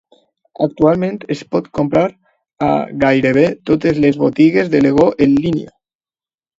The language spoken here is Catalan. Actualment es pot comprar a gairebé totes les botigues de Lego en línia.